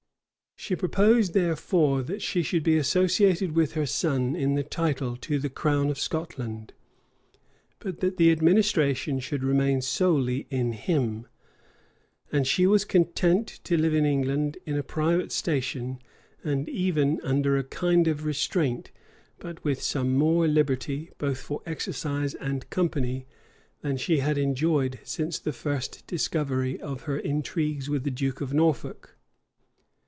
She proposed, therefore, that she should be associated with her son in the title to the crown of Scotland, but that the administration should remain solely in him: and she was content to live in England in a private station, and even under a kind of restraint; but with some more liberty, both for exercise and company, than she had enjoyed since the first discovery of her intrigues with the duke of Norfolk.